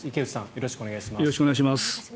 よろしくお願いします。